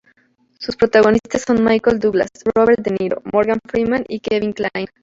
Sus protagonistas son Michael Douglas, Robert De Niro, Morgan Freeman y Kevin Kline.